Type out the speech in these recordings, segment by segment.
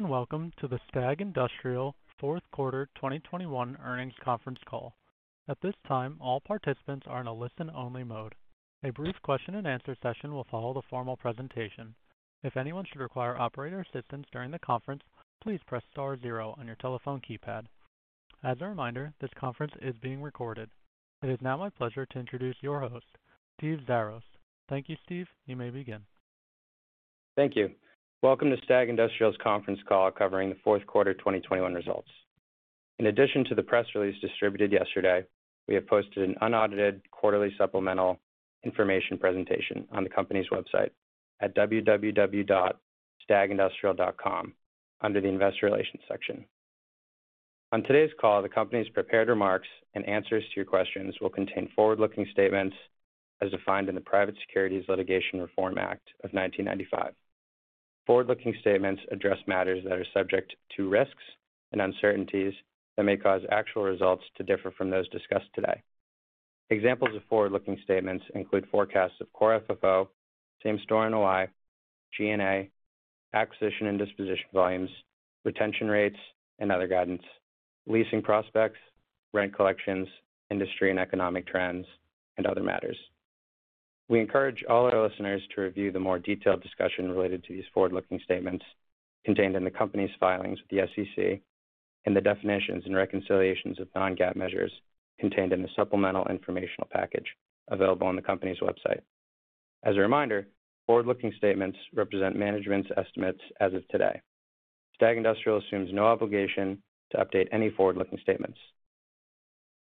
Welcome to the STAG Industrial Fourth Quarter 2021 Earnings Conference Call. At this time, all participants are in a listen only mode. A brief Q&A session will follow the formal presentation. If anyone should require operator assistance during the conference, please press star zero on your telephone keypad. As a reminder, this conference is being recorded. It is now my pleasure to introduce your host, Steve Xiarhos. Thank you, Steve. You may begin. Thank you. Welcome to STAG Industrial's conference call covering the fourth quarter 2021 results. In addition to the press release distributed yesterday, we have posted an unaudited quarterly supplemental information presentation on the company's website at www.stagindustrial.com under the Investor Relations section. On today's call, the company's prepared remarks and answers to your questions will contain forward-looking statements as defined in the Private Securities Litigation Reform Act of 1995. Forward-looking statements address matters that are subject to risks and uncertainties that may cause actual results to differ from those discussed today. Examples of forward-looking statements include forecasts of Core FFO, Same Store NOI, G&A, acquisition and disposition volumes, Retention rates and other guidance, leasing prospects, rent collections, industry and economic trends, and other matters. We encourage all our listeners to review the more detailed discussion related to these forward-looking statements contained in the company's filings with the SEC, and the definitions and reconciliations of non-GAAP measures contained in the supplemental informational package available on the company's website. As a reminder, forward-looking statements represent management's estimates as of today. STAG Industrial assumes no obligation to update any forward-looking statements.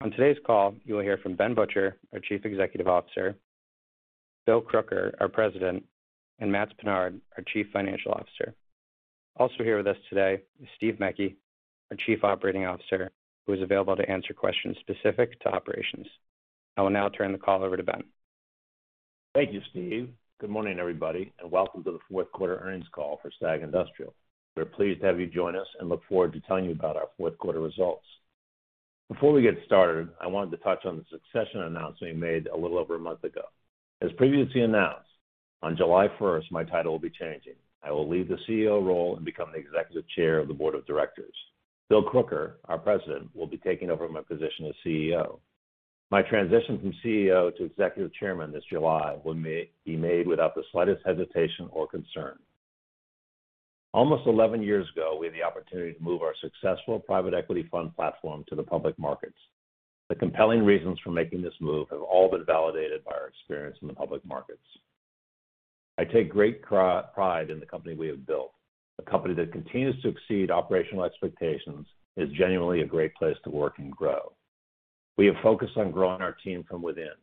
On today's call, you will hear from Ben Butcher, our Chief Executive Officer, Bill Crooker, our President, and Matts Pinard, our Chief Financial Officer. Also here with us today is Steve Mecke, our Chief Operating Officer, who is available to answer questions specific to operations. I will now turn the call over to Ben. Thank you, Steve. Good morning, everybody, and welcome to the fourth quarter earnings call for STAG Industrial. We're pleased to have you join us and look forward to telling you about our fourth quarter results. Before we get started, I wanted to touch on the succession announcement we made a little over a month ago. As previously announced, on July 1st, my title will be changing. I will leave the CEO role and become the Executive Chair of the Board of Directors. Bill Crooker, our President, will be taking over my position as CEO. My transition from CEO to Executive Chairman this July will be made without the slightest hesitation or concern. Almost 11 years ago, we had the opportunity to move our successful Private Equity Fund platform to the public markets. The compelling reasons for making this move have all been validated by our experience in the public markets. I take great pride in the company we have built, a company that continues to exceed operational expectations, is genuinely a great place to work and grow. We have focused on growing our team from within.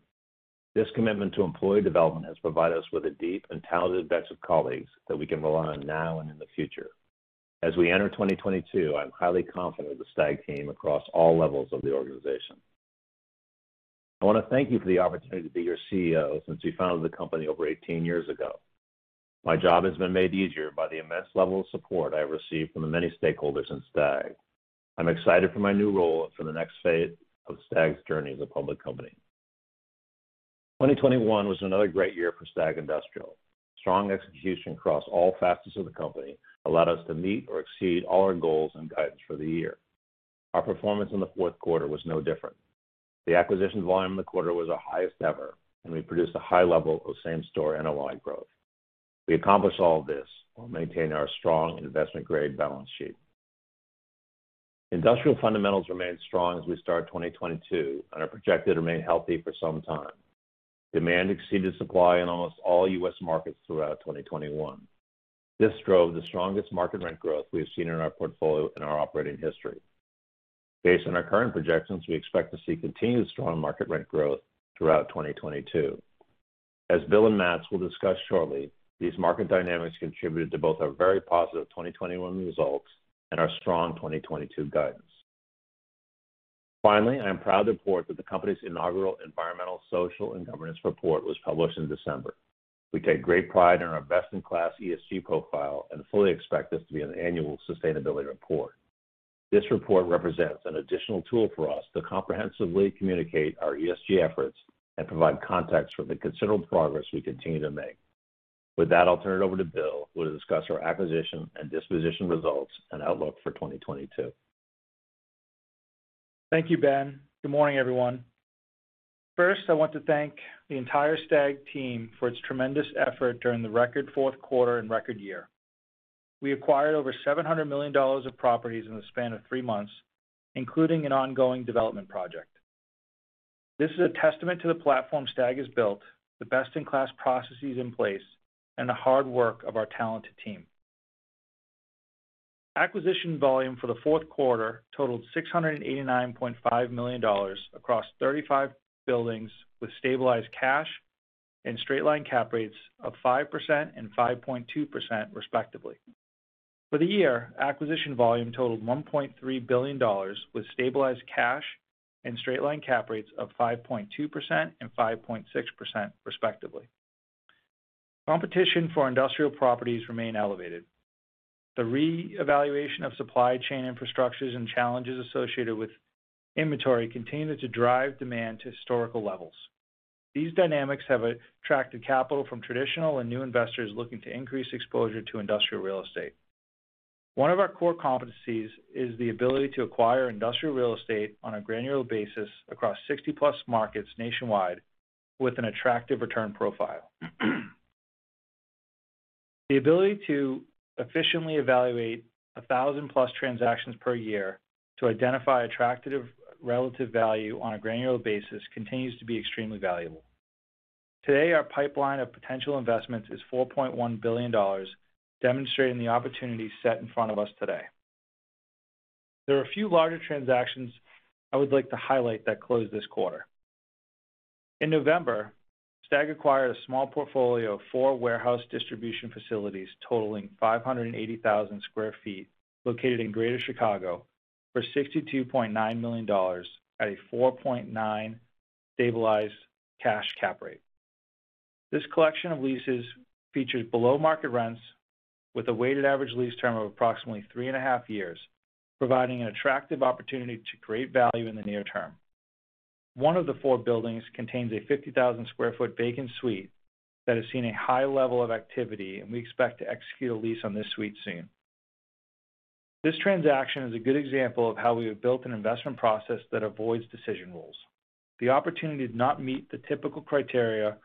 This commitment to employee development has provided us with a deep and talented bench of colleagues that we can rely on now and in the future. As we enter 2022, I'm highly confident of the STAG team across all levels of the organization. I want to thank you for the opportunity to be your CEO since we founded the company over 18 years ago. My job has been made easier by the immense level of support I receive from the many stakeholders in STAG. I'm excited for my new role and for the next phase of STAG's journey as a public company. 2021 was another great year for STAG Industrial. Strong execution across all facets of the company allowed us to meet or exceed all our goals and guidance for the year. Our performance in the fourth quarter was no different. The acquisition volume in the quarter was our highest ever, and we produced a high level of Same Store NOI growth. We accomplished all of this while maintaining our strong investment grade balance sheet. Industrial fundamentals remained strong as we start 2022 and are projected to remain healthy for some time. Demand exceeded supply in almost all U.S. markets throughout 2021. This drove the strongest market rent growth we have seen in our portfolio in our operating history. Based on our current projections, we expect to see continued strong market rent growth throughout 2022. As Bill and Matts will discuss shortly, these market dynamics contributed to both our very positive 2021 results and our strong 2022 guidance. Finally, I am proud to report that the company's inaugural Environmental, Social, and Governance Report was published in December. We take great pride in our best-in-class ESG profile and fully expect this to be an annual Sustainability Report. This report represents an additional tool for us to comprehensively communicate our ESG efforts and provide context for the considerable progress we continue to make. With that, I'll turn it over to Bill who will discuss our acquisition and disposition results and outlook for 2022. Thank you, Ben. Good morning, everyone. First, I want to thank the entire STAG team for its tremendous effort during the record fourth quarter and record year. We acquired over $700 million of properties in the span of three months, including an ongoing development project. This is a testament to the platform STAG has built, the best in class processes in place, and the hard work of our talented team. Acquisition volume for the fourth quarter totaled $689.5 million across 35 buildings with stabilized cash and straight-line cap rates of 5% and 5.2%, respectively. For the year, acquisition volume totaled $1.3 billion with stabilized cash and straight-line cap rates of 5.2% and 5.6%, respectively. Competition for industrial properties remain elevated. The re-evaluation of supply chain infrastructures and challenges associated with inventory continue to drive demand to historical levels. These dynamics have attracted capital from traditional and new investors looking to increase exposure to industrial real estate. One of our core competencies is the ability to acquire industrial real estate on a granular basis across 60+ markets nationwide with an attractive return profile. The ability to efficiently evaluate 1,000+ transactions per year to identify attractive relative value on a granular basis continues to be extremely valuable. Today, our pipeline of potential investments is $4.1 billion, demonstrating the opportunity set in front of us today. There are a few larger transactions I would like to highlight that closed this quarter. In November, STAG acquired a small portfolio of four warehouse distribution facilities totaling 580,000 sq ft located in Greater Chicago for $62.9 million at a 4.9% stabilized Cash Cap Rate. This collection of leases features below-market rents with a weighted average lease term of approximately three and half years, providing an attractive opportunity to create value in the near term. One of the four buildings contains a 50,000 sq ft vacant suite that has seen a high level of activity, and we expect to execute a lease on this suite soon. This transaction is a good example of how we have built an investment process that avoids decision rules. The opportunity did not meet the typical criteria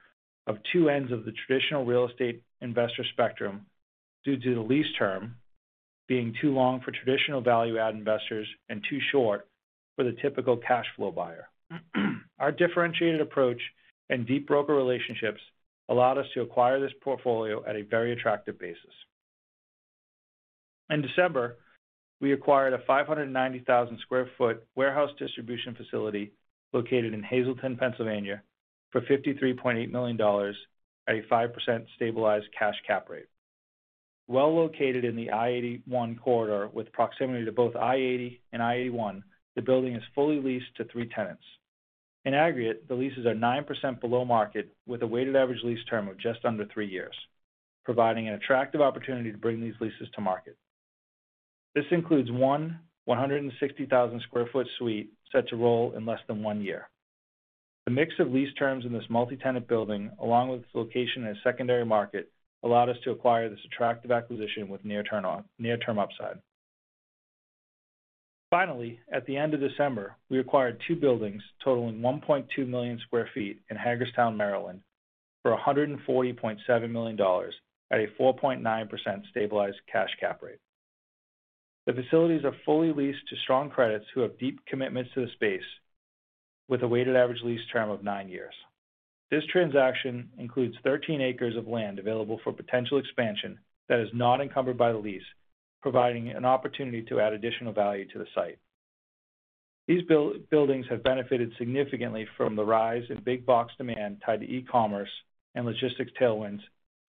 of two ends of the traditional real estate investor spectrum due to the lease term being too long for traditional value-add investors and too short for the typical cash flow buyer. Our differentiated approach and deep broker relationships allowed us to acquire this portfolio at a very attractive basis. In December, we acquired a 590,000 sq ft warehouse distribution facility located in Hazleton, Pennsylvania for $53.8 million at a 5% stabilized Cash Cap Rate. Well located in the I-81 corridor with proximity to both I-80 and I-81, the building is fully leased to three tenants. In aggregate, the leases are 9% below market with a weighted average lease term of just under three years, providing an attractive opportunity to bring these leases to market. This includes 160,000 sq ft suite set to roll in less than one year. The mix of lease terms in this multi-tenant building, along with its location in a secondary market, allowed us to acquire this attractive acquisition with near-term upside. Finally, at the end of December, we acquired two buildings totaling 1.2 million sq ft in Hagerstown, Maryland for $140.7 million at a 4.9% stabilized Cash Cap Rate. The facilities are fully leased to strong credits who have deep commitments to the space with a weighted average lease term of nine years. This transaction includes 13 acres of land available for potential expansion that is not encumbered by the lease, providing an opportunity to add additional value to the site. These buildings have benefited significantly from the rise in big box demand tied to e-commerce and logistics tailwinds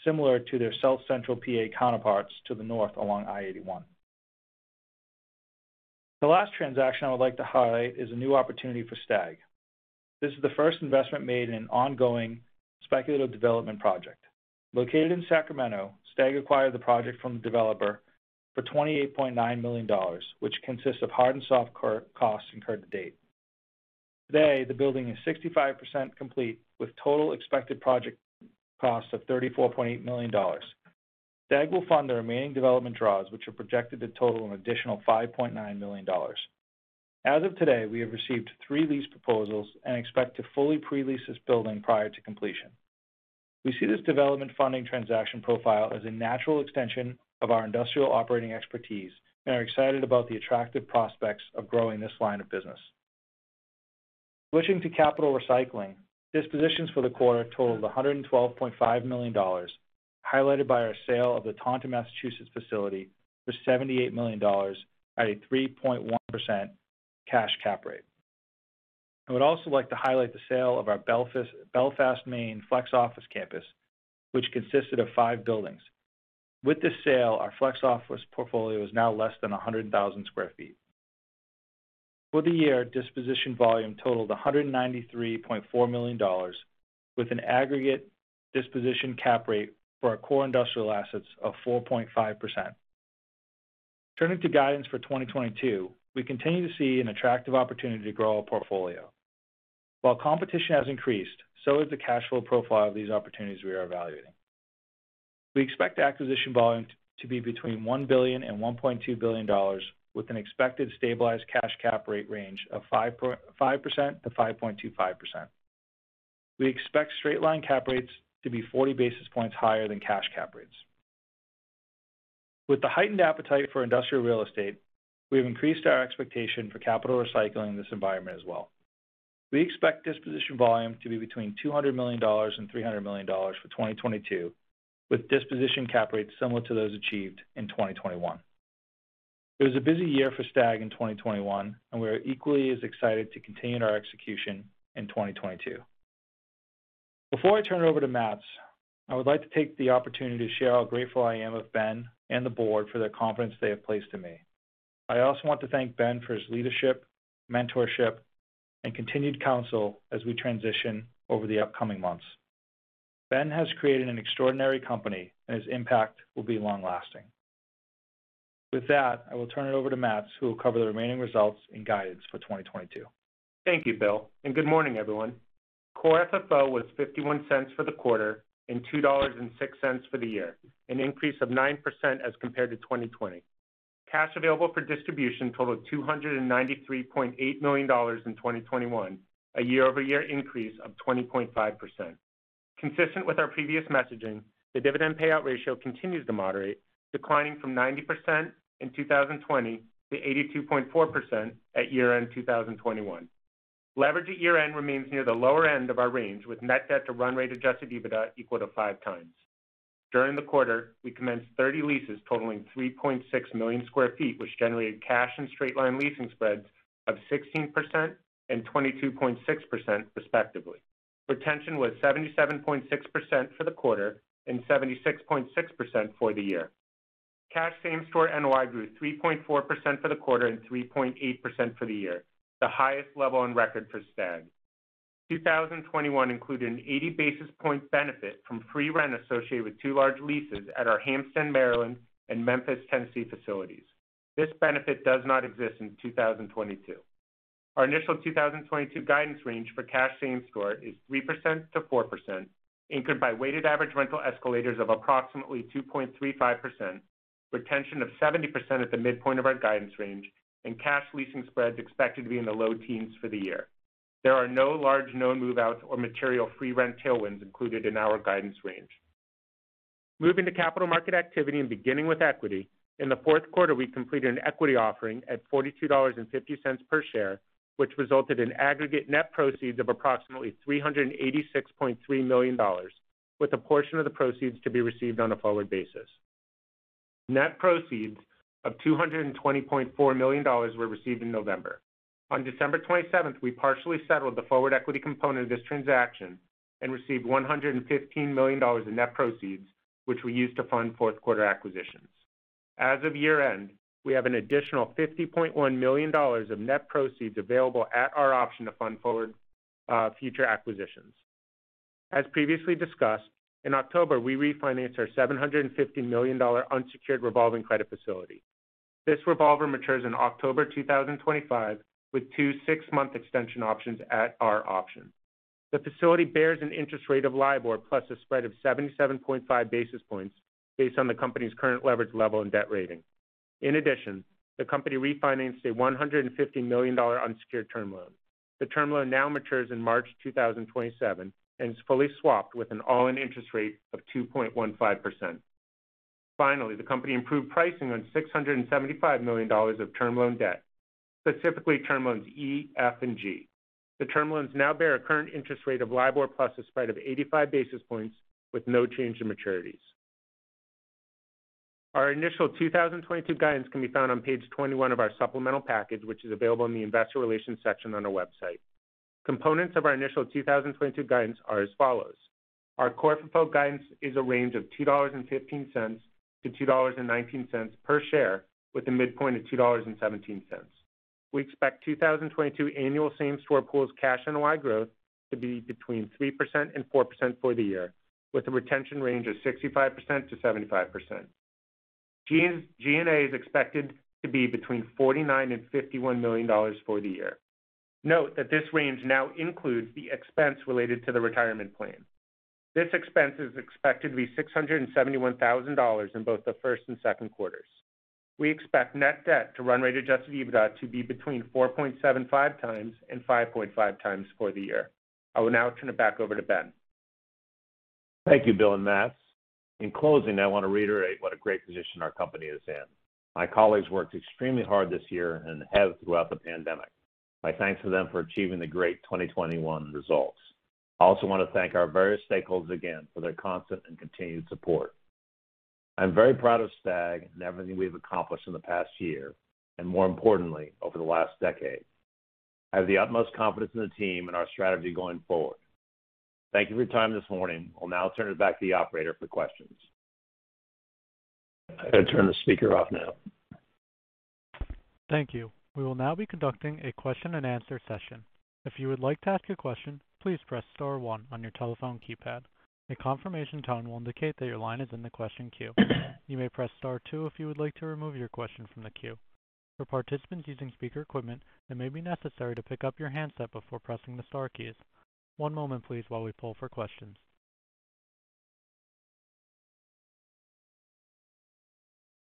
similar to their South Central PA counterparts to the north along I-81. The last transaction I would like to highlight is a new opportunity for STAG. This is the first investment made in an ongoing speculative development project. Located in Sacramento, STAG acquired the project from the developer for $28.9 million, which consists of hard and soft costs incurred to date. Today, the building is 65% complete with total expected project costs of $34.8 million. STAG will fund the remaining development draws, which are projected to total an additional $5.9 million. As of today, we have received 3 lease proposals and expect to fully pre-lease this building prior to completion. We see this development funding transaction profile as a natural extension of our industrial operating expertise and are excited about the attractive prospects of growing this line of business. Switching to capital recycling, dispositions for the quarter totaled $112.5 million, highlighted by our sale of the Taunton, Massachusetts facility for $78 million at a 3.1% cash cap rate. I would also like to highlight the sale of our Belfast, Maine flex/office campus, which consisted of five buildings. With this sale, our flex/office portfolio is now less than 100,000 sq ft. For the year, disposition volume totaled $193.4 million with an aggregate disposition cap rate for our core industrial assets of 4.5%. Turning to guidance for 2022, we continue to see an attractive opportunity to grow our portfolio. While competition has increased, so has the cash flow profile of these opportunities we are evaluating. We expect acquisition volume to be between $1 billion and $1.2 billion with an expected stabilized Cash Capitalization Rate range of 5.5%-5.25%. We expect straight-line cap rates to be 40 basis points higher than Cash Cap Rates. With the heightened appetite for industrial real estate, we have increased our expectation for capital recycling in this environment as well. We expect disposition volume to be between $200 million and $300 million for 2022, with disposition cap rates similar to those achieved in 2021. It was a busy year for STAG in 2021, and we are equally as excited to continue our execution in 2022. Before I turn it over to Matts, I would like to take the opportunity to share how grateful I am of Ben and the board for the confidence they have placed in me. I also want to thank Ben for his leadership, mentorship, and continued counsel as we transition over the upcoming months. Ben has created an extraordinary company, and his impact will be long lasting. With that, I will turn it over to Matts, who will cover the remaining results and guidance for 2022. Thank you, Bill, and good morning, everyone. Core FFO was $0.51 for the quarter and $2.06 for the year, an increase of 9% as compared to 2020. Cash available for distribution totaled $293.8 million in 2021, a year-over-year increase of 20.5%. Consistent with our previous messaging, the dividend payout ratio continues to moderate, declining from 90% in 2020 to 82.4% at year-end 2021. Leverage at year-end remains near the lower end of our range, with net debt to run rate adjusted EBITDA equal to 5x. During the quarter, we commenced 30 leases totaling 3.6 million sq ft, which generated cash and straight-line leasing spreads of 16% and 22.6% respectively. Retention was 77.6% for the quarter and 76.6% for the year. Cash Same Store NOI grew 3.4% for the quarter and 3.8% for the year, the highest level on record for STAG. 2021 included an 80 basis point benefit from free rent associated with two large leases at our Hampstead, Maryland, and Memphis, Tennessee facilities. This benefit does not exist in 2022. Our initial 2022 guidance range for cash Same Store is 3%-4%, anchored by weighted average rental escalators of approximately 2.35%, Retention of 70% at the midpoint of our guidance range, and cash leasing spreads expected to be in the low teens for the year. There are no large known move-outs or material free rent tailwinds included in our guidance range. Moving to capital market activity and beginning with equity. In the fourth quarter, we completed an equity offering at $42.50 per share, which resulted in aggregate net proceeds of approximately $386.3 million, with a portion of the proceeds to be received on a forward basis. Net proceeds of $220.4 million were received in November. On December 27th, we partially settled the forward equity component of this transaction and received $115 million in net proceeds, which we used to fund fourth quarter acquisitions. As of year-end, we have an additional $50.1 million of net proceeds available at our option to fund forward future acquisitions. As previously discussed, in October, we refinanced our $750 million unsecured revolving credit facility. This revolver matures in October 2025, with two six-month extension options at our option. The facility bears an interest rate of LIBOR plus a spread of 77.5 basis points based on the company's current leverage level and debt rating. In addition, the company refinanced a $150 million unsecured term loan. The term loan now matures in March 2027 and is fully swapped with an all-in interest rate of 2.15%. Finally, the company improved pricing on $675 million of term loan debt, specifically term loans E, F, and G. The term loans now bear a current interest rate of LIBOR plus a spread of 85 basis points with no change in maturities. Our initial 2022 guidance can be found on page 21 of our supplemental package, which is available in the investor relations section on our website. Components of our initial 2022 guidance are as follows. Our Core FFO guidance is a range of $2.15-$2.19 per share, with a midpoint of $2.17. We expect 2022 annual Same Store NOI growth to be between 3%-4% for the year, with a Retention range of 65%-75%. G&A is expected to be between $49-$51 million for the year. Note that this range now includes the expense related to the retirement plan. This expense is expected to be $671,000 in both the first and second quarters. We expect net debt to run rate adjusted EBITDA to be between 4.75x and 5.5x for the year. I will now turn it back over to Ben. Thank you, Bill and Matts. In closing, I want to reiterate what a great position our company is in. My colleagues worked extremely hard this year and have throughout the pandemic. My thanks to them for achieving the great 2021 results. I also want to thank our various stakeholders again for their constant and continued support. I'm very proud of STAG and everything we've accomplished in the past year, and more importantly, over the last decade. I have the utmost confidence in the team and our strategy going forward. Thank you for your time this morning. I'll now turn it back to the operator for questions. I turn the speaker off now. Thank you. We will now be conducting a Q&A session. If you would like to ask a question, please press star one on your telephone keypad. A confirmation tone will indicate that your line is in the question queue. You may press star two if you would like to remove your question from the queue. For participants using speaker equipment, it may be necessary to pick up your handset before pressing the star keys. One moment, please, while we pull for questions.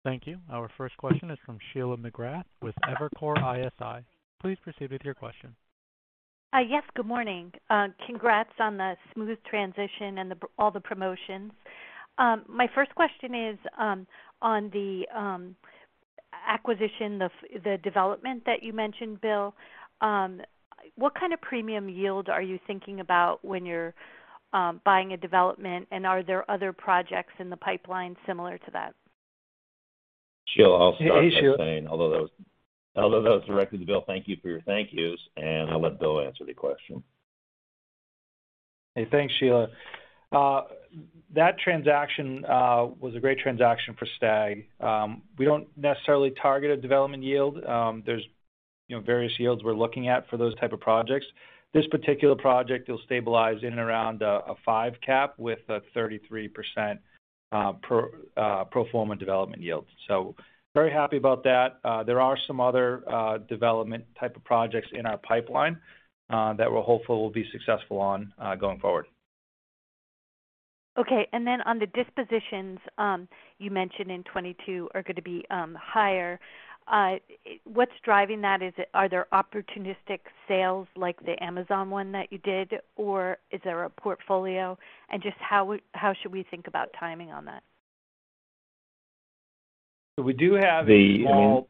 Thank you. Our first question is from Sheila McGrath with Evercore ISI. Please proceed with your question. Yes, good morning. Congrats on the smooth transition and all the promotions. My first question is on the acquisition of the development that you mentioned, Bill. What kind of premium yield are you thinking about when you're buying a development, and are there other projects in the pipeline similar to that? Sheila, I'll start by saying, although that was directed to Bill, thank you for your thank yous, and I'll let Bill answer the question. Hey, thanks, Sheila. That transaction was a great transaction for STAG. We don't necessarily target a development yield. There's- You know, various yields we're looking at for those type of projects. This particular project will stabilize in and around a five cap with a 33% per pro forma development yield. Very happy about that. There are some other development type of projects in our pipeline that we're hopeful we'll be successful on going forward. Okay, on the dispositions, you mentioned in 2022 are gonna be higher. What's driving that? Are there opportunistic sales like the Amazon one that you did, or is there a portfolio? Just how should we think about timing on that? We do have a small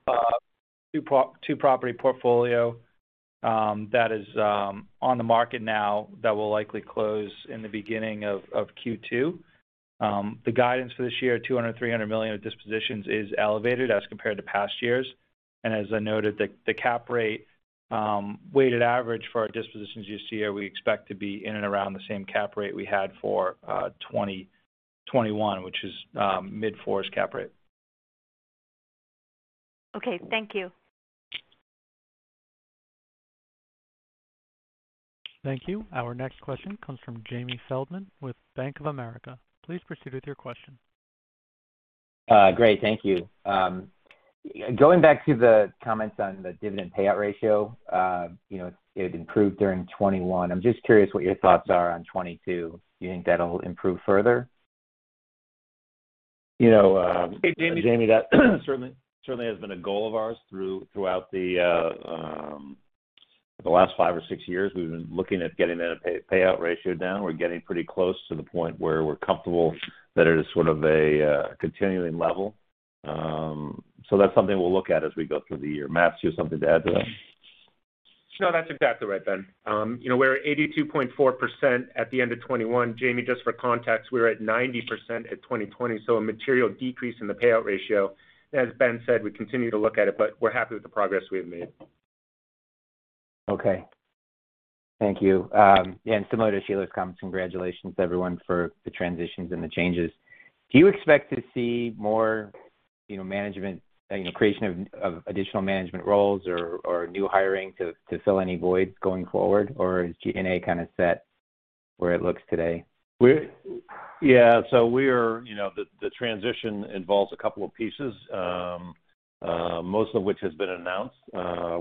two-property portfolio that is on the market now that will likely close in the beginning of Q2. The guidance for this year, $200 million-$300 million of dispositions is elevated as compared to past years. As I noted, the weighted average cap rate for our dispositions this year we expect to be in and around the same cap rate we had for 2021, which is mid-fours cap rate. Okay. Thank you. Thank you. Our next question comes from Jamie Feldman with Bank of America. Please proceed with your question. Great. Thank you. Going back to the comments on the dividend payout ratio, you know, it improved during 2021. I'm just curious what your thoughts are on 2022. Do you think that'll improve further? You know, Jamie, that certainly has been a goal of ours throughout the last five or six years. We've been looking at getting that payout ratio down. We're getting pretty close to the point where we're comfortable that it is sort of a continuing level. That's something we'll look at as we go through the year. Mats, do you have something to add to that? No, that's exactly right, Ben. We're at 82.4% at the end of 2021. Jamie, just for context, we were at 90% at 2020, so a material decrease in the payout ratio. As Ben said, we continue to look at it, but we're happy with the progress we have made. Okay. Thank you. Similar to Sheila's comments, congratulations, everyone, for the transitions and the changes. Do you expect to see more, you know, management, you know, creation of additional management roles or new hiring to fill any voids going forward? Or is G&A kind of set where it looks today? Yeah. We are, you know, the transition involves a couple of pieces, most of which has been announced.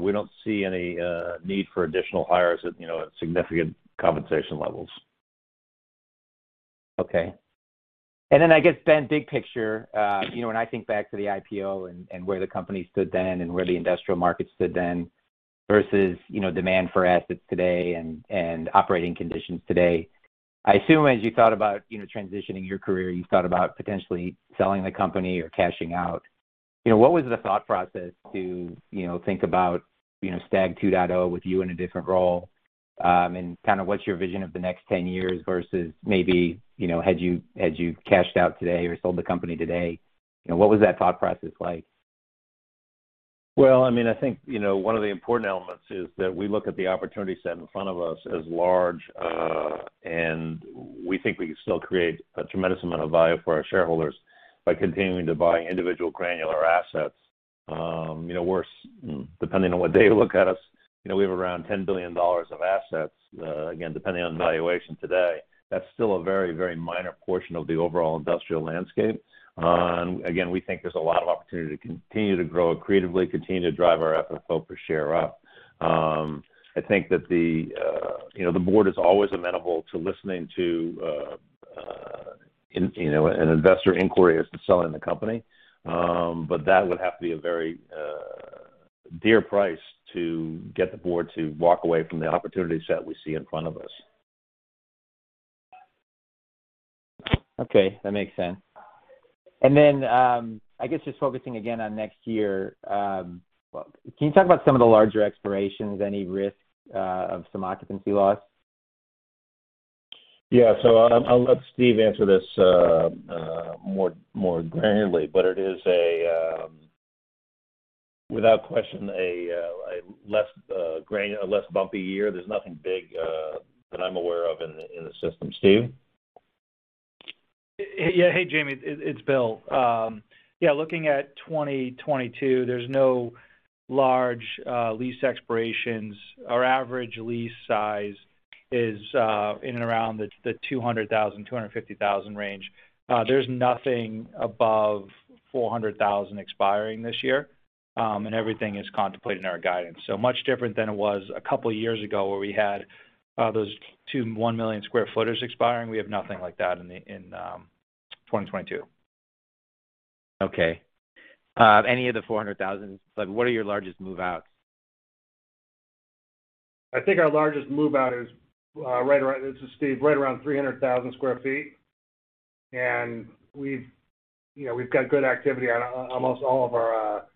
We don't see any need for additional hires at, you know, at significant compensation levels. Okay. Then I guess, Ben, big picture, you know, when I think back to the IPO and where the company stood then and where the industrial market stood then versus, demand for assets today and operating conditions today, I assume as you thought about, you know, transitioning your career, you thought about potentially selling the company or cashing out. You know, what was the thought process to, you know, think about, STAG 2.0 with you in a different role, and kinda what's your vision of the next 10 years versus maybe, you know, had you cashed out today or sold the company today, you know, what was that thought process like? Well, I mean, I think, you know, one of the important elements is that we look at the opportunity set in front of us as large, and we think we can still create a tremendous amount of value for our shareholders by continuing to buy individual granular assets. You know, we're depending on what day you look at us, you know, we have around $10 billion of assets. Again, depending on valuation today, that's still a very, very minor portion of the overall industrial landscape. Again, we think there's a lot of opportunity to continue to grow creatively, continue to drive our FFO per share up. I think that the, you know, the board is always amenable to listening to, you know, an investor inquiry as to selling the company. That would have to be a very dear price to get the board to walk away from the opportunity set we see in front of us. Okay, that makes sense. I guess just focusing again on next year, can you talk about some of the larger expirations? Any risk of some occupancy loss? Yeah. I'll let Steve answer this more granularly, but it is, without question, a less bumpy year. There's nothing big that I'm aware of in the system. Steve? Yeah. Hey, Jamie, it's Bill. Yeah, looking at 2022, there's no large lease expirations. Our average lease size is in and around the 200,000-250,000 range. There's nothing above 400,000 expiring this year, and everything is contemplated in our guidance. Much different than it was a couple of years ago where we had those two 1 million sq ft expiring. We have nothing like that in 2022. Okay. Any of the 400,000, like what are your largest move-outs? I think our largest move-out is right around 300,000 sq ft. This is Steve. We've, you know, got good activity on almost all of our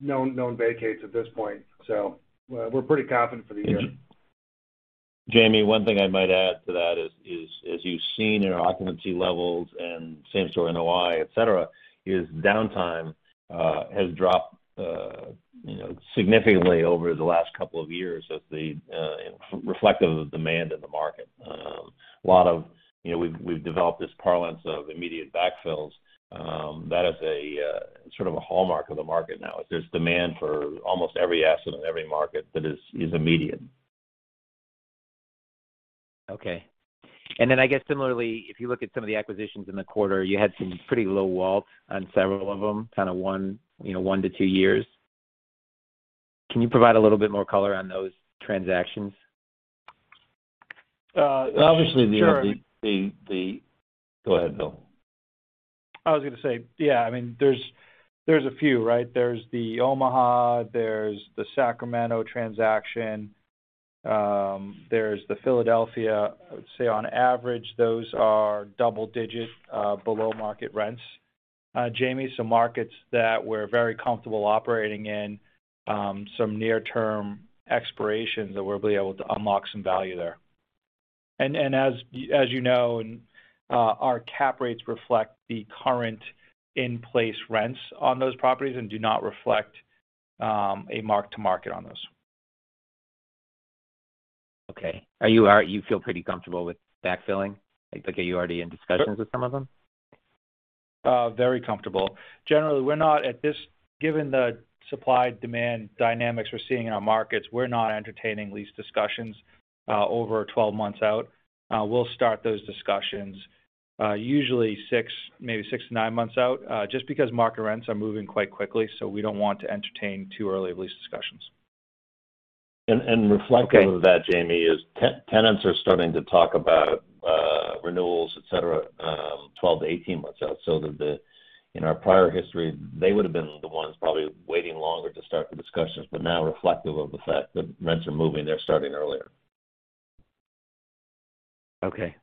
known vacates at this point. We're pretty confident for the year. Jamie, one thing I might add to that is, as you've seen in our occupancy levels and Same Store NOI, et cetera, is downtime has dropped, you know, significantly over the last couple of years as is reflective of demand in the market. A lot of, you know, we've developed this parlance of immediate backfills. That is a sort of a hallmark of the market now, is there's demand for almost every asset in every market that is immediate. Okay. I guess similarly, if you look at some of the acquisitions in the quarter, you had some pretty low WALTs on several of them, kind of one, you know, one to two years. Can you provide a little bit more color on those transactions? Sure. Go ahead, Bill. I was gonna say, yeah, I mean, there's a few, right? There's the Omaha, there's the Sacramento transaction, there's the Philadelphia. I would say on average, those are double digit below market rents. Jamie, some markets that we're very comfortable operating in, some near term expirations that we'll be able to unlock some value there. As you know, our cap rates reflect the current in-place rents on those properties and do not reflect a mark-to-market on those. Okay. You feel pretty comfortable with back-filling? Like, are you already in discussions with some of them? Very comfortable. Generally, given the supply-demand dynamics we're seeing in our markets, we're not entertaining lease discussions over 12 months out. We'll start those discussions usually six, maybe six to nine months out, just because market rents are moving quite quickly, so we don't want to entertain too early lease discussions. And, and reflective- Okay Of that, Jamie, tenants are starting to talk about renewals, et cetera, 12-18 months out, so that, in our prior history, they would've been the ones probably waiting longer to start the discussions, but now reflective of the fact that rents are moving, they're starting earlier. Okay.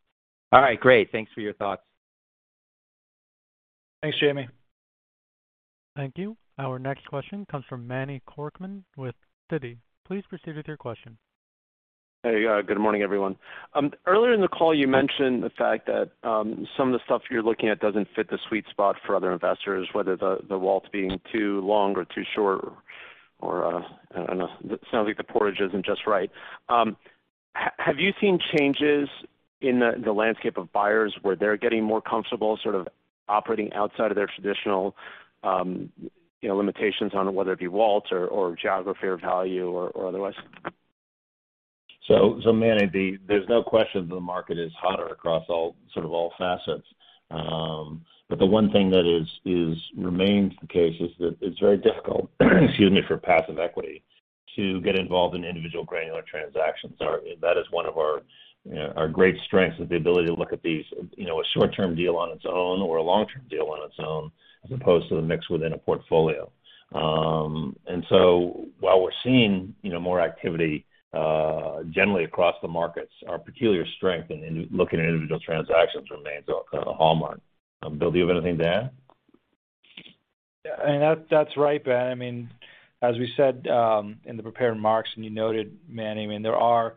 All right. Great. Thanks for your thoughts. Thanks, Jamie. Thank you. Our next question comes from Manny Korchman with Citi. Please proceed with your question. Hey, good morning, everyone. Earlier in the call you mentioned the fact that some of the stuff you're looking at doesn't fit the sweet spot for other investors, whether the WALT being too long or too short or I don't know, it sounds like the porridge isn't just right. Have you seen changes in the landscape of buyers where they're getting more comfortable sort of operating outside of their traditional, limitations on whether it be WALT or geography or value or otherwise? Manny, there's no question the market is hotter across all sorts of facets. The one thing that remains the case is that it's very difficult, excuse me, for passive equity to get involved in individual granular transactions. That is one of our great strengths, the ability to look at these, a short-term deal on its own or a long-term deal on its own, as opposed to the mix within a portfolio. While we're seeing, you know, more activity generally across the markets, our peculiar strength in looking at individual transactions remains kind of a hallmark. Bill, do you have anything to add? Yeah, that's right, Ben. I mean, as we said in the prepared remarks, and you noted, Manny, I mean, there are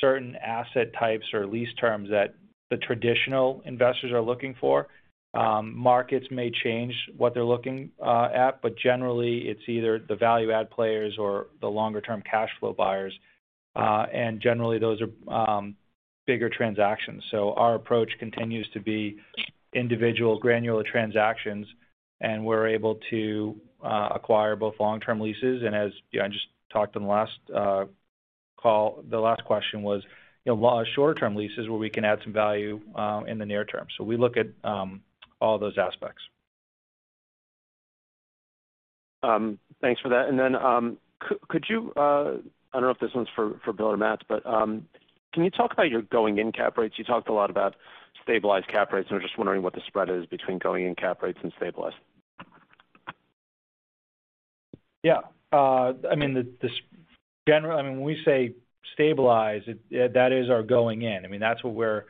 certain asset types or lease terms that the traditional investors are looking for. Markets may change what they're looking at, but generally, it's either the value add players or the longer-term cash flow buyers. Generally, those are bigger transactions. Our approach continues to be individual granular transactions, and we're able to acquire both long-term leases and, as you know, I just talked in the last call, the last question was, you know, shorter term leases where we can add some value in the near term. We look at all those aspects. Thanks for that. Could you, I don't know if this one's for Bill or Matts, but, can you talk about your going-in cap rates? You talked a lot about stabilized cap rates, and we're just wondering what the spread is between going-in cap rates and stabilized. Yeah. I mean, when we say stabilized, that is our going in. I mean, that's what we're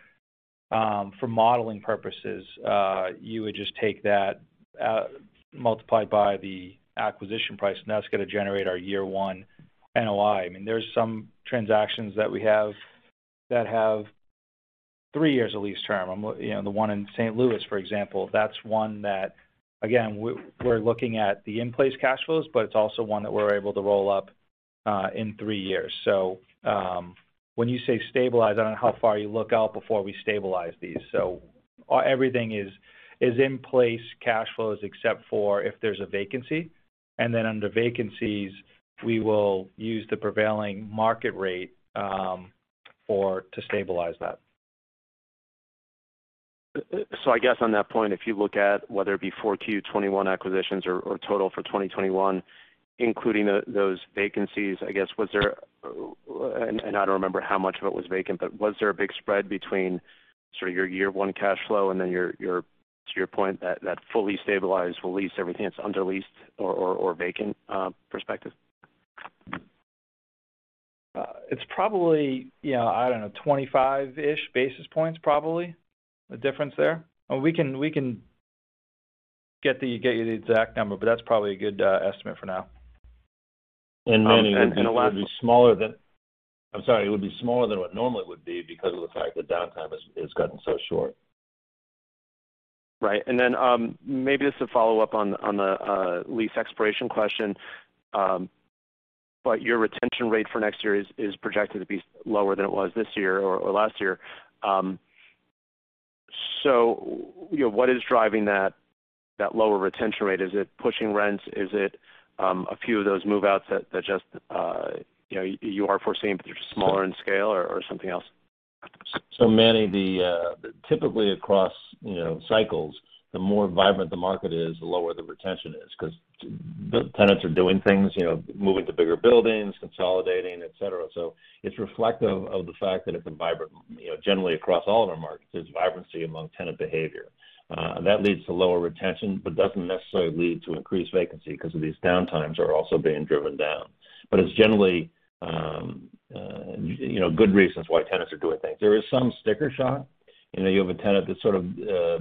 for modeling purposes you would just take that out, multiply by the acquisition price, and that's gonna generate our year one NOI. I mean, there's some transactions that we have that have three years of lease term. You know, the one in St. Louis, for example, that's one that, again, we're looking at the in-place cash flows, but it's also one that we're able to roll up in three years. When you say stabilize, I don't know how far you look out before we stabilize these. Everything is in place cash flows, except for if there's a vacancy. Then under vacancies, we will use the prevailing market rate to stabilize that. I guess on that point, if you look at whether it be 4Q 2021 acquisitions or total for 2021, including those vacancies, I don't remember how much of it was vacant, but was there a big spread between sort of your year one cash flow and then your to your point that fully stabilized lease, everything that's under leased or vacant perspective? It's probably, I don't know, 25-ish basis points, probably, the difference there. We can get you the exact number, but that's probably a good estimate for now. Manny The last I'm sorry, it would be smaller than what normally it would be because of the fact the downtime has gotten so short. Right. Maybe this is a follow-up on the lease expiration question. But your Retention rate for next year is projected to be lower than it was this year or last year. You know, what is driving that lower Retention rate? Is it pushing rents? Is it a few of those move-outs that just, you are foreseeing but they're smaller in scale or something else? Manny, typically across, you know, cycles, the more vibrant the market is, the lower the Retention is because the tenants are doing things, you know, moving to bigger buildings, consolidating, et cetera. It's reflective of the fact that it's a vibrant market. You know, generally, across all of our markets, there's vibrancy among tenant behavior. That leads to lower retention, but doesn't necessarily lead to increased vacancy because these downtimes are also being driven down. It's generally, you know, good reasons why tenants are doing things. There is some sticker shock. You know, you have a tenant that's sort of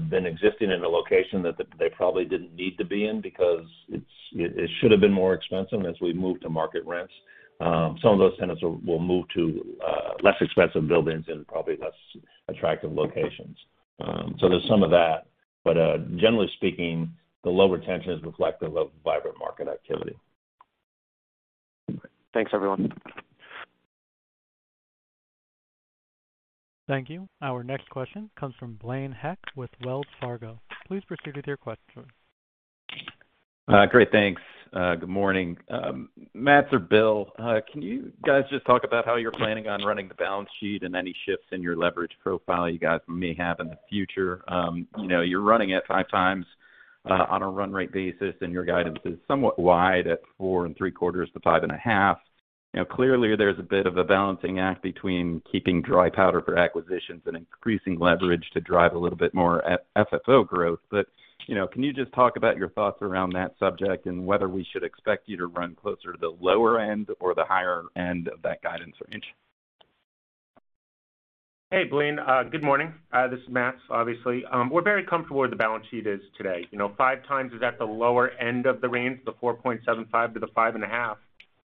been existing in a location that they probably didn't need to be in because it should have been more expensive. As we move to market rents, some of those tenants will move to less expensive buildings in probably less attractive locations. There's some of that. Generally speaking, the low Retention is reflective of vibrant market activity. Thanks, everyone. Thank you. Our next question comes from Blaine Heck with Wells Fargo. Please proceed with your question. Great. Thanks. Good morning. Matts or Bill, can you guys just talk about how you're planning on running the balance sheet and any shifts in your leverage profile you guys may have in the future? You know, you're running at 5x on a run rate basis, and your guidance is somewhat wide at 4.75x-5.5x. You know, clearly there's a bit of a balancing act between keeping dry powder for acquisitions and increasing leverage to drive a little bit more FFO growth. You know, can you just talk about your thoughts around that subject and whether we should expect you to run closer to the lower end or the higher end of that guidance range? Hey, Blaine. Good morning. This is Mats, obviously. We're very comfortable where the balance sheet is today. You know, 5x is at the lower end of the range, 4.75-5.5.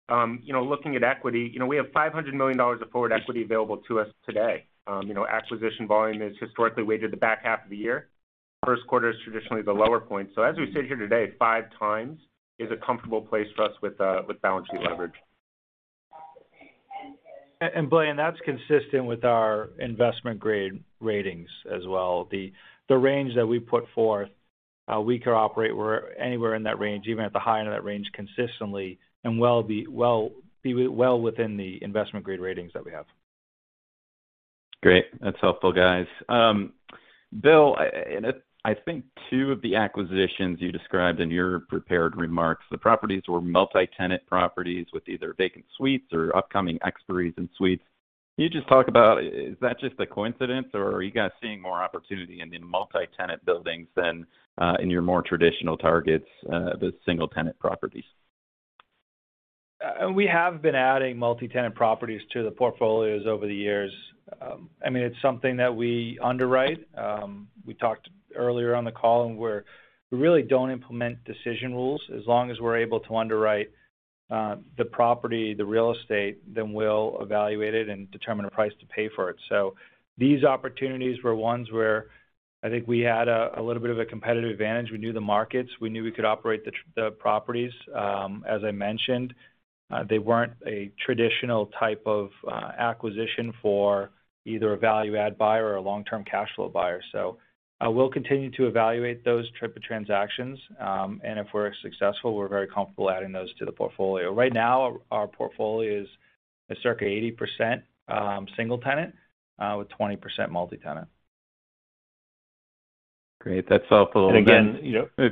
You know, looking at equity, you know, we have $500 million of forward equity available to us today. You know, acquisition volume is historically weighted the back half of the year. First quarter is traditionally the lower point. So as we sit here today, 5x is a comfortable place for us with balance sheet leverage. Blaine, that's consistent with our investment grade ratings as well. The range that we put forth, we could operate anywhere in that range, even at the high end of that range consistently and be well within the investment grade ratings that we have. Great. That's helpful, guys. Bill, and I think two of the acquisitions you described in your prepared remarks, the properties were multi-tenant properties with either vacant suites or upcoming expiries in suites. Can you just talk about. Is that just a coincidence or are you guys seeing more opportunity in the multi-tenant buildings than in your more traditional targets, the single-tenant properties? We have been adding multi-tenant properties to the portfolios over the years. I mean, it's something that we underwrite. We talked earlier on the call and we really don't implement decision rules. As long as we're able to underwrite the property, the real estate, then we'll evaluate it and determine a price to pay for it. These opportunities were ones where I think we had a little bit of a competitive advantage. We knew the markets. We knew we could operate the properties. As I mentioned, they weren't a traditional type of acquisition for either a value add buyer or a long-term cash flow buyer. We'll continue to evaluate those type of transactions. If we're successful, we're very comfortable adding those to the portfolio. Right now our portfolio is circa 80% single tenant with 20% multi-tenant. Great. That's helpful. Again, you know.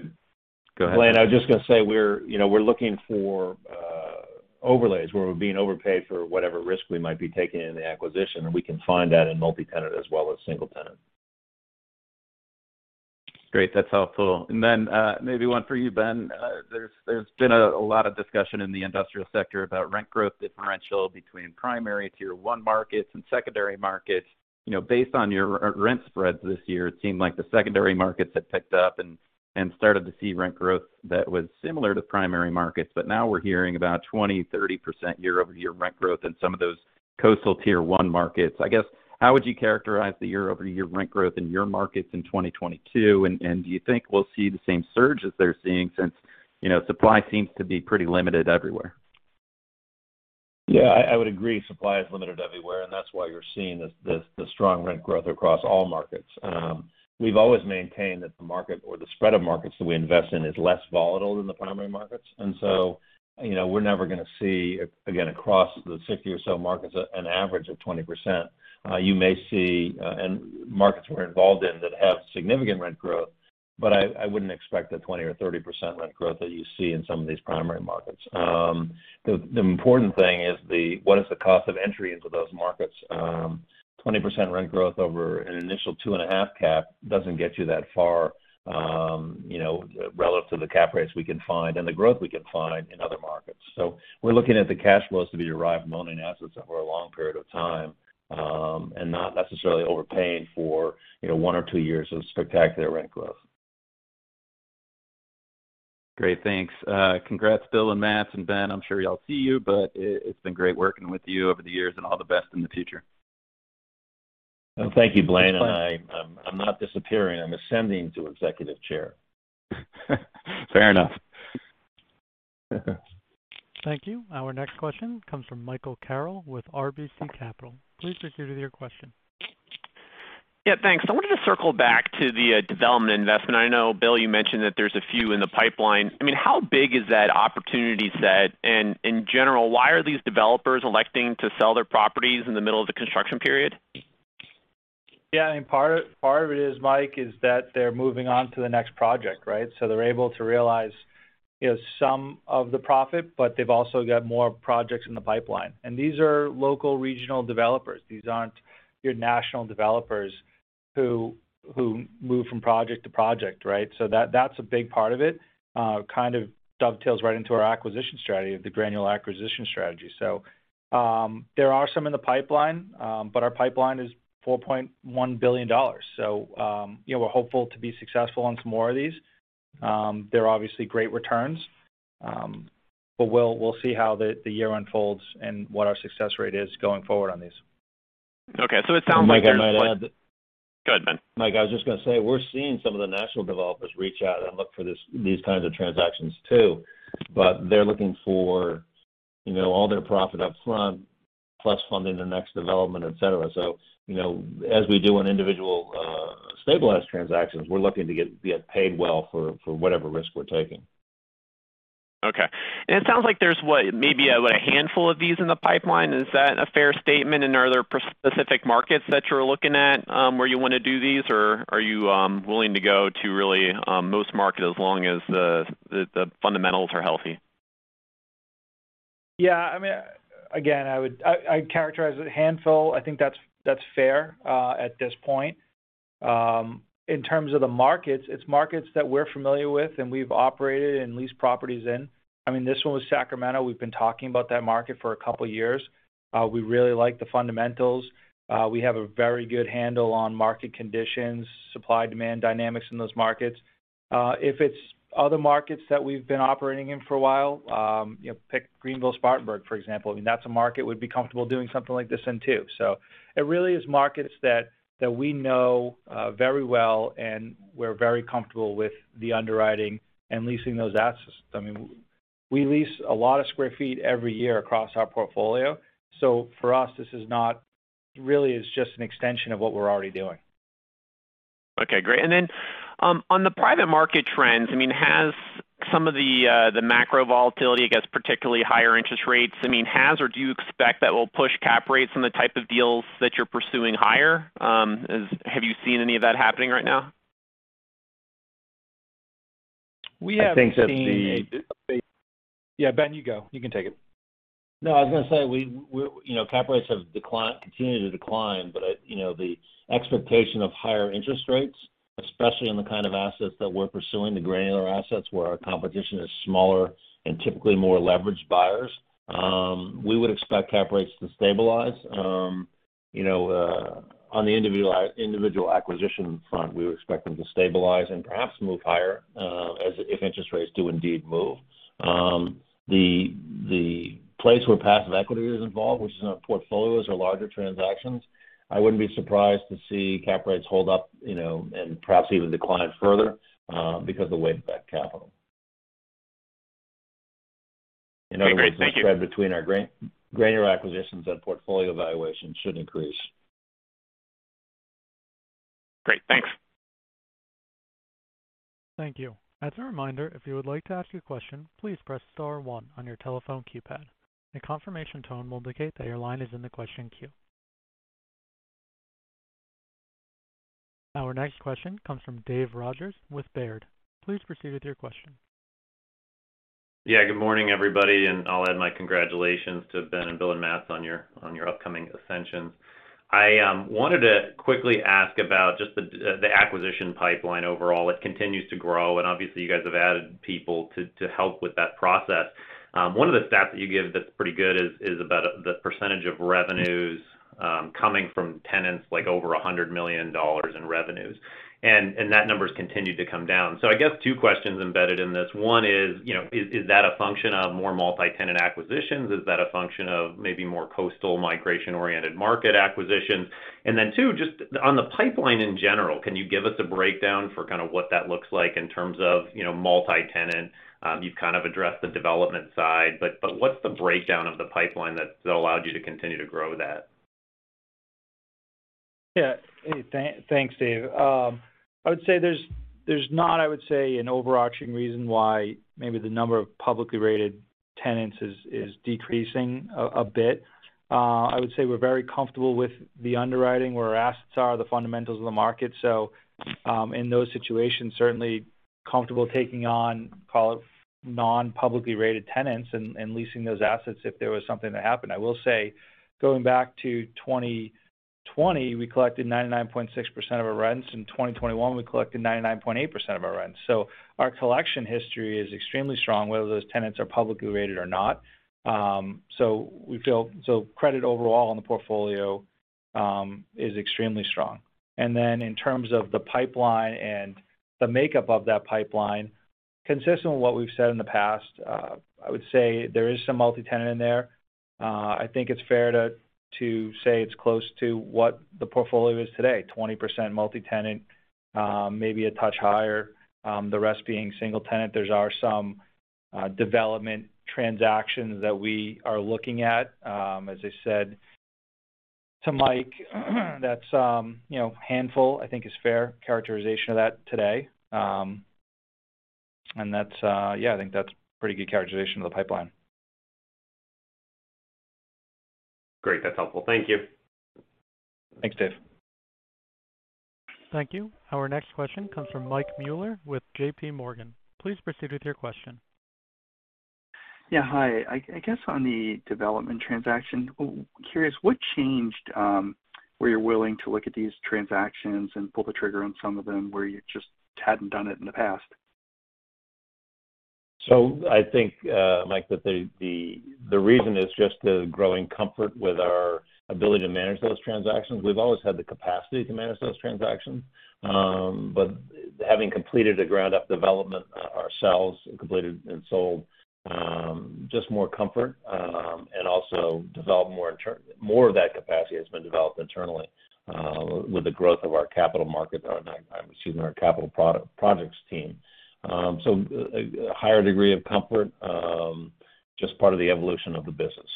Go ahead. Blaine, I was just gonna say we're, you know, we're looking for overlays where we're being overpaid for whatever risk we might be taking in the acquisition, and we can find that in multi-tenant as well as single tenant. Great. That's helpful. Maybe one for you, Ben. There's been a lot of discussion in the industrial sector about rent growth differential between primary tier one markets and secondary markets. You know, based on your rent spreads this year, it seemed like the secondary markets had picked up and started to see rent growth that was similar to primary markets. Now we're hearing about 20%-30% year-over-year rent growth in some of those coastal tier one markets. I guess, how would you characterize the year-over-year rent growth in your markets in 2022? Do you think we'll see the same surge as they're seeing since, supply seems to be pretty limited everywhere? Yeah. I would agree supply is limited everywhere, and that's why you're seeing the strong rent growth across all markets. We've always maintained that the market or the spread of markets that we invest in is less volatile than the primary markets. You know, we're never gonna see across the 60 or so markets an average of 20%. You may see in markets we're involved in that have significant rent growth, but I wouldn't expect the 20% or 30% rent growth that you see in some of these primary markets. The important thing is what is the cost of entry into those markets? 20% rent growth over an initial 2.5 cap doesn't get you that far, you know, relative to the cap rates we can find and the growth we can find in other markets. We're looking at the cash flows to be derived from owning assets over a long period of time, and not necessarily overpaying for, you know, one or two years of spectacular rent growth. Great. Thanks. Congrats, Bill, Matts, and Ben. I'm sure y'all see you, but it's been great working with you over the years, and all the best in the future. Thank you, Blaine. I'm not disappearing. I'm ascending to Executive Chair. Fair enough. Thank you. Our next question comes from Michael Carroll with RBC Capital. Please proceed with your question. Yeah, thanks. I wanted to circle back to the development investment. I know, Bill, you mentioned that there's a few in the pipeline. I mean, how big is that opportunity set? In general, why are these developers electing to sell their properties in the middle of the construction period? Yeah, I mean, part of it is, Mike, is that they're moving on to the next project, right? They're able to realize, you know, some of the profit, but they've also got more projects in the pipeline. These are local regional developers. These aren't your national developers who move from project to project, right? That, that's a big part of it, kind of dovetails right into our acquisition strategy, the granular acquisition strategy. There are some in the pipeline, but our pipeline is $4.1 billion. You know, we're hopeful to be successful on some more of these. They're obviously great returns. But we'll see how the year unfolds and what our success rate is going forward on these. Okay. It sounds like there's. Mike, I might add. Go ahead, Ben. Mike, I was just gonna say, we're seeing some of the national developers reach out and look for this, these kinds of transactions too, but they're looking for, you know, all their profit up front, plus funding the next development, et cetera. You know, as we do on individual stabilized transactions, we're looking to get paid well for whatever risk we're taking. Okay. It sounds like there's what? Maybe a what, a handful of these in the pipeline. Is that a fair statement? Are there specific markets that you're looking at, where you wanna do these? Or are you willing to go to really, most markets as long as the fundamentals are healthy? Yeah. I mean, again, I would characterize it as a handful. I think that's fair at this point. In terms of the markets, it's markets that we're familiar with and we've operated and leased properties in. I mean, this one was Sacramento. We've been talking about that market for a couple of years. We really like the fundamentals. We have a very good handle on market conditions, supply-demand dynamics in those markets. If it's other markets that we've been operating in for a while, you know, pick Greenville, Spartanburg, for example. I mean, that's a market we'd be comfortable doing something like this in too. It really is markets that we know very well and we're very comfortable with the underwriting and leasing those assets. I mean, we lease a lot of square feet every year across our portfolio. For us, this is not really, it's just an extension of what we're already doing. Okay, great. On the private market trends, I mean, has some of the macro volatility, I guess, particularly higher interest rates, I mean, has or do you expect that will push cap rates on the type of deals that you're pursuing higher? Have you seen any of that happening right now? We have seen a- I think that the Yeah, Ben, you go. You can take it. No, I was gonna say, we're, you know, cap rates have declined, continued to decline, but I, you know, the expectation of higher interest rates, especially on the kind of assets that we're pursuing, the granular assets where our competition is smaller and typically more leveraged buyers. We would expect cap rates to stabilize. You know, on the individual acquisition front, we would expect them to stabilize and perhaps move higher, as if interest rates do indeed move. The place where passive equity is involved, which is in our portfolios or larger transactions, I wouldn't be surprised to see cap rates hold up, you know, and perhaps even decline further, because of the way we back capital. Okay, great. Thank you. You know, the spread between our granular acquisitions and portfolio valuation should increase. Great. Thanks. Thank you. As a reminder, if you would like to ask a question, please press star one on your telephone keypad. A confirmation tone will indicate that your line is in the question queue. Our next question comes from Dave Rodgers with Baird. Please proceed with your question. Yeah, good morning, everybody. I'll add my congratulations to Ben and Bill and Matts on your upcoming ascensions. I wanted to quickly ask about just the acquisition pipeline overall. It continues to grow, and obviously, you guys have added people to help with that process. One of the stats that you give that's pretty good is about the percentage of revenues coming from tenants, like over $100 million in revenues. And that number has continued to come down. I guess two questions embedded in this. One is, you know, is that a function of more multi-tenant acquisitions? Is that a function of maybe more coastal migration-oriented market acquisitions? Two, just on the pipeline in general, can you give us a breakdown for kind of what that looks like in terms of multi-tenant? You've kind of addressed the development side, but what's the breakdown of the pipeline that's allowed you to continue to grow that? Yeah. Hey, thanks, Dave. I would say there's not an overarching reason why maybe the number of publicly rated tenants is decreasing a bit. I would say we're very comfortable with the underwriting, where our assets are, the fundamentals of the market. In those situations, certainly comfortable taking on, call it, non-publicly rated tenants and leasing those assets if there was something to happen. I will say, going back to 2020, we collected 99.6% of our rents. In 2021, we collected 99.8% of our rents. Our collection history is extremely strong, whether those tenants are publicly rated or not. We feel credit overall on the portfolio is extremely strong. In terms of the pipeline and the makeup of that pipeline, consistent with what we've said in the past, I would say there is some multi-tenant in there. I think it's fair to say it's close to what the portfolio is today, 20% multi-tenant, maybe a touch higher, the rest being single tenant. There are some development transactions that we are looking at. As I said to Mike, that's, you know, handful, I think is fair characterization of that today. That's, yeah, I think that's pretty good characterization of the pipeline. Great. That's helpful. Thank you. Thanks, Dave. Thank you. Our next question comes from Mike Mueller with JPMorgan. Please proceed with your question. Yeah, hi. I guess on the development transaction, I'm curious, what changed, where you're willing to look at these transactions and pull the trigger on some of them where you just hadn't done it in the past? I think, Mike, that the reason is just the growing comfort with our ability to manage those transactions. We've always had the capacity to manage those transactions. Having completed a ground-up development ourselves and completed and sold just more comfort, and also more of that capacity has been developed internally with the growth of our capital projects team. A higher degree of comfort just part of the evolution of the business.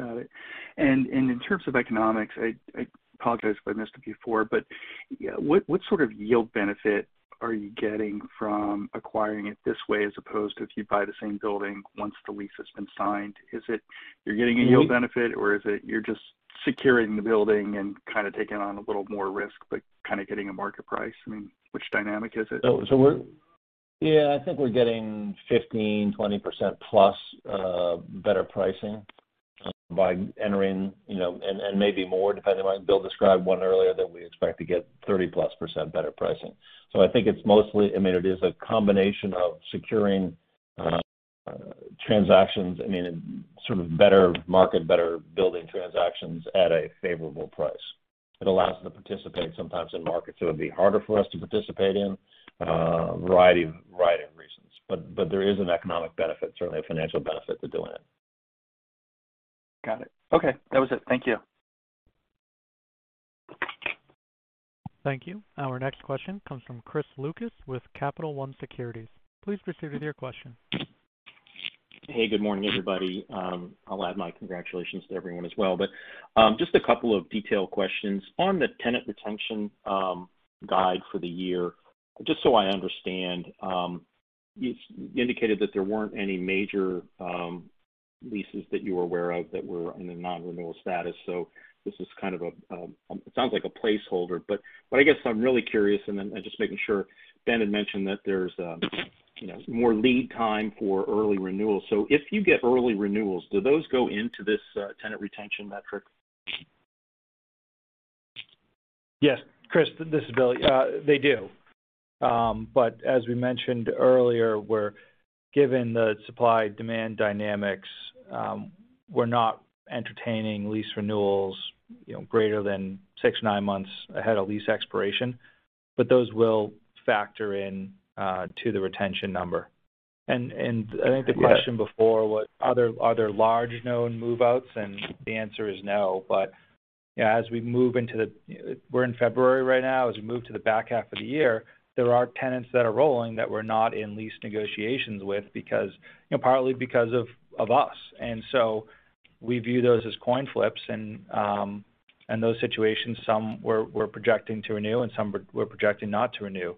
Got it. In terms of economics, I apologize if I missed it before, but what sort of yield benefit are you getting from acquiring it this way as opposed to if you buy the same building once the lease has been signed? Is it you're getting a yield benefit, or is it you're just securing the building and kind of taking on a little more risk, but kind of getting a market price? I mean, which dynamic is it? Yeah, I think we're getting 15%-20%+ better pricing by entering, you know, and maybe more depending on Bill described one earlier that we expect to get 30%+ better pricing. I think it's mostly, I mean, it is a combination of securing transactions, I mean, sort of better market, better building transactions at a favorable price. It allows us to participate sometimes in markets that would be harder for us to participate in, a variety of reasons. There is an economic benefit, certainly a financial benefit to doing it. Got it. Okay, that was it. Thank you. Thank you. Our next question comes from Chris Lucas with Capital One Securities. Please proceed with your question. Hey, good morning, everybody. I'll add my congratulations to everyone as well. Just a couple of detailed questions. On the tenant Retention guide for the year, just so I understand, you indicated that there weren't any major leases that you were aware of that were under non-renewal status. This is kind of a placeholder, but I guess I'm really curious, and just making sure, Ben had mentioned that there's you know more lead time for early renewals. If you get early renewals, do those go into this tenant retention metric? Yes, Chris, this is Bill. They do. As we mentioned earlier, given the supply-demand dynamics, we're not entertaining lease renewals, you know, greater than six-nine months ahead of lease expiration. Those will factor in to the Retention number. I think the question before, what other large known move-outs, and the answer is no. Yeah, as we move into the. We're in February right now, as we move to the back half of the year, there are tenants that are rolling that we're not in lease negotiations with because, you know, partly because of us. We view those as coin flips and those situations, some we're projecting to renew and some we're projecting not to renew.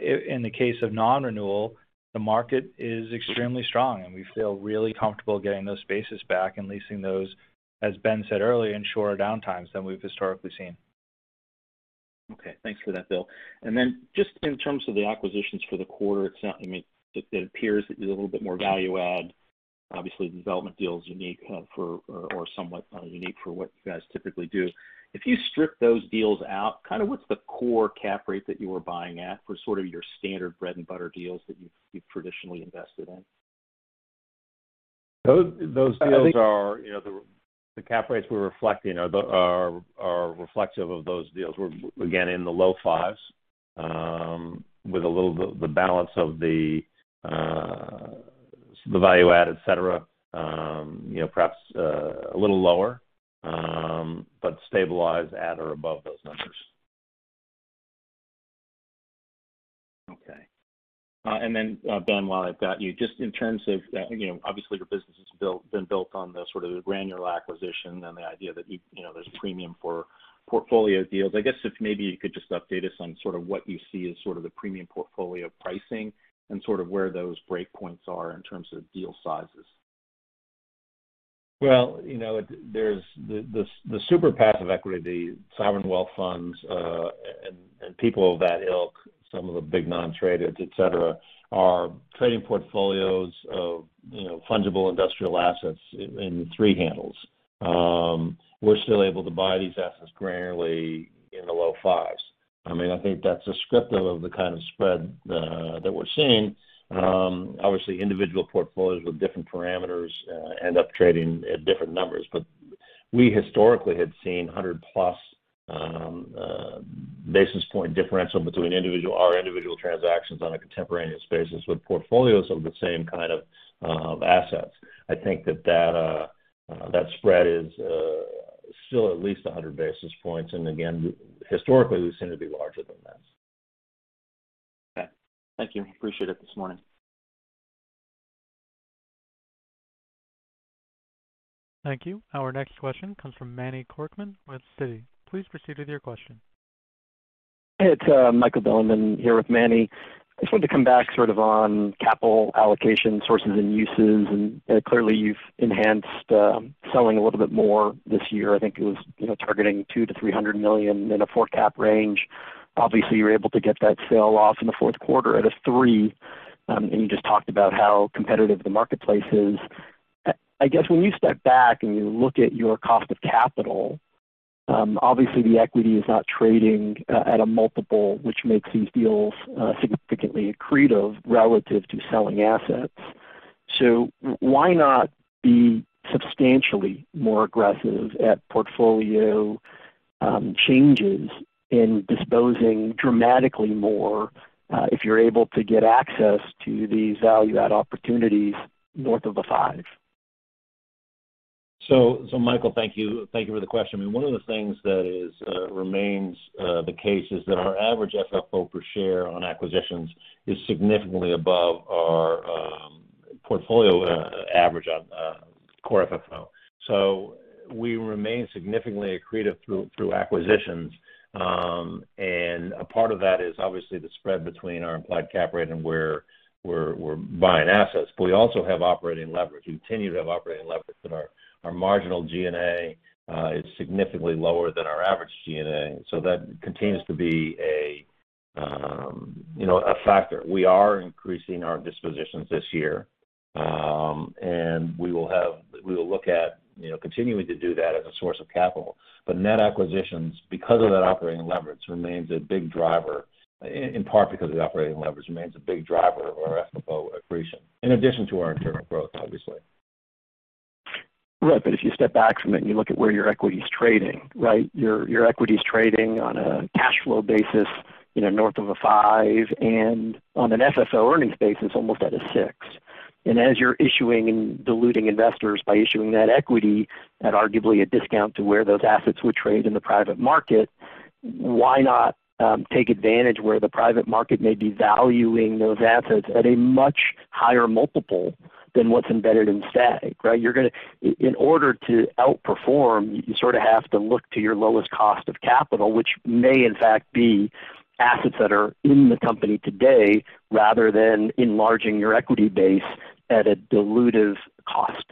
In the case of non-renewal, the market is extremely strong, and we feel really comfortable getting those spaces back and leasing those, as Ben said earlier, in shorter downtimes than we've historically seen. Okay. Thanks for that, Bill. Then just in terms of the acquisitions for the quarter, I mean, it appears that there's a little bit more value add. Obviously, the development deal is unique or somewhat unique for what you guys typically do. If you strip those deals out, kind of what's the core cap rate that you were buying at for sort of your standard bread-and-butter deals that you've traditionally invested in? Those deals are, you know, the cap rates we're reflecting are reflective of those deals. We're again in the low fives, with a little bit the balance of the value add, et cetera, you know, perhaps a little lower, but stabilize at or above those numbers. Okay. Ben, while I've got you, just in terms of, you know, obviously your business has been built on the sort of the granular acquisition and the idea that you know, there's premium for portfolio deals. I guess if maybe you could just update us on sort of what you see as sort of the premium portfolio pricing and sort of where those breakpoints are in terms of deal sizes. Well, you know, there's the super passive equity, the sovereign wealth funds, and people of that ilk, some of the big non-traded, et cetera, are trading portfolios of, fungible industrial assets in the three handles. We're still able to buy these assets granularly in the low fives. I mean, I think that's descriptive of the kind of spread that we're seeing. Obviously, individual portfolios with different parameters end up trading at different numbers. We historically had seen 100+ basis point differential between our individual transactions on a contemporaneous basis with portfolios of the same kind of assets. I think that spread is still at least 100 basis points. Again, historically, we seem to be larger than this. Okay. Thank you. Appreciate it this morning. Thank you. Our next question comes from Manny Korchman with Citi. Please proceed with your question. It's Michael Bilerman here with Manny. I just wanted to come back sort of on capital allocation sources and uses, and clearly you've enhanced selling a little bit more this year. I think it was, you know, targeting $200 million-$300 million in a 4 cap range. Obviously, you were able to get that sale off in the fourth quarter at a three. And you just talked about how competitive the marketplace is. I guess when you step back and you look at your cost of capital, obviously the equity is not trading at a multiple, which makes these deals significantly accretive relative to selling assets. Why not be substantially more aggressive at portfolio changes in disposing dramatically more, if you're able to get access to these all your opportunities north of a five? Michael, thank you. Thank you for the question. I mean, one of the things that remains the case is that our average FFO per share on acquisitions is significantly above our portfolio average on Core FFO. We remain significantly accretive through acquisitions. A part of that is obviously the spread between our implied cap rate and where we're buying assets. We also have operating leverage. We continue to have operating leverage that our marginal G&A is significantly lower than our average G&A. That continues to be a you know, a factor. We are increasing our dispositions this year, and we will look at you know, continuing to do that as a source of capital. Net acquisitions because of that operating leverage remains a big driver, in part because of the operating leverage, of our FFO accretion, in addition to our internal growth, obviously. Right. If you step back from it and you look at where your equity is trading, right? Your equity is trading on a cash flow basis, you know, north of five and on an FFO earnings basis, almost at six. As you're issuing and diluting investors by issuing that equity at arguably a discount to where those assets would trade in the private market, why not take advantage where the private market may be valuing those assets at a much higher multiple than what's embedded in STAG, right? In order to outperform, you sort of have to look to your lowest cost of capital, which may in fact be assets that are in the company today rather than enlarging your equity base at a dilutive cost?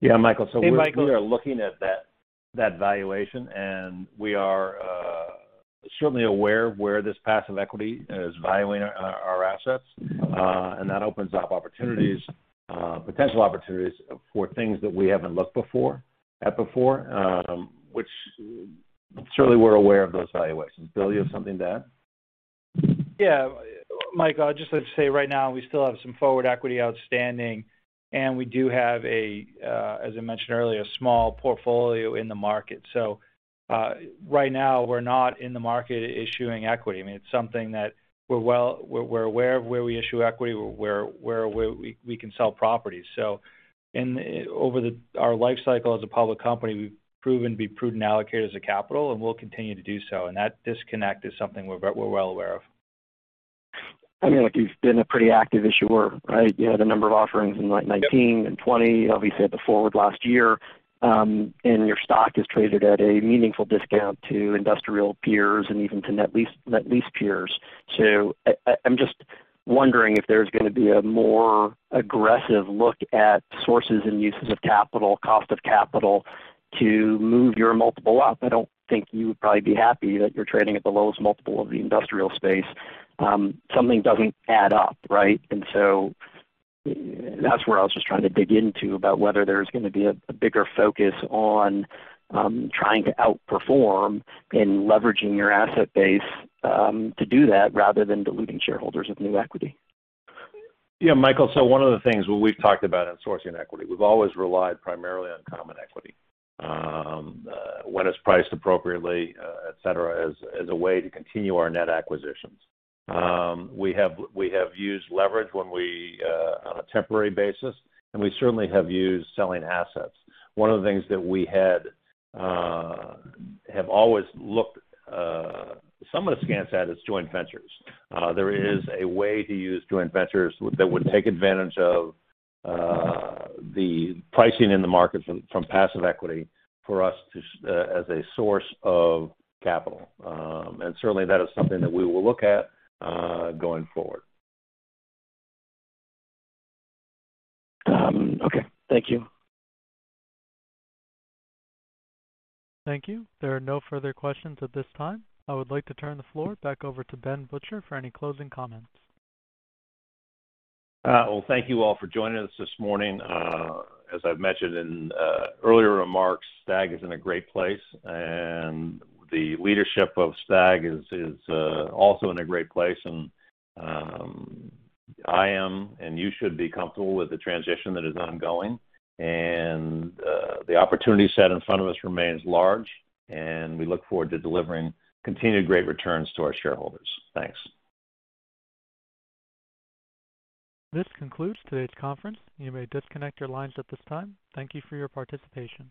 Yeah, Michael. We are looking at that valuation, and we are certainly aware of where this passive equity is valuing our assets. That opens up opportunities, potential opportunities for things that we haven't looked at before, which certainly we're aware of those valuations. Bill, you have something to add? Yeah. Michael, I'd just like to say right now we still have some forward equity outstanding, and we do have a, as I mentioned earlier, a small portfolio in the market. Right now we're not in the market issuing equity. I mean, it's something that we're aware of where we issue equity, where we can sell properties. Over our lifecycle as a public company, we've proven to be prudent allocators of capital, and we'll continue to do so. That disconnect is something we're well aware of. I mean, like, you've been a pretty active issuer, right? You had a number of offerings in like 2019 and 2020, obviously at the forward last year. Your stock is traded at a meaningful discount to industrial peers and even to net lease, net lease peers. I'm just wondering if there's gonna be a more aggressive look at sources and uses of capital, cost of capital to move your multiple up? I don't think you would probably be happy that you're trading at the lowest multiple of the industrial space. Something doesn't add up, right? That's where I was just trying to dig into about whether there's gonna be a bigger focus on trying to outperform in leveraging your asset base to do that rather than diluting shareholders with new equity. Yeah, Michael. One of the things we've talked about in sourcing equity, we've always relied primarily on common equity, when it's priced appropriately, et cetera, as a way to continue our net acquisitions. We have used leverage when we, on a temporary basis, and we certainly have used selling assets. One of the things that we have always looked somewhat askance at is joint ventures. There is a way to use joint ventures that would take advantage of the pricing in the market from passive equity for us, as a source of capital. Certainly that is something that we will look at going forward. Okay. Thank you. Thank you. There are no further questions at this time. I would like to turn the floor back over to Ben Butcher for any closing comments. Well, thank you all for joining us this morning. As I've mentioned in earlier remarks, STAG is in a great place and the leadership of STAG is also in a great place. You should be comfortable with the transition that is ongoing. The opportunity set in front of us remains large, and we look forward to delivering continued great returns to our shareholders. Thanks. This concludes today's conference. You may disconnect your lines at this time. Thank you for your participation.